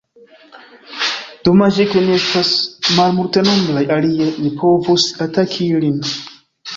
Domaĝe, ke ni estas malmultenombraj, alie ni povus ataki ilin!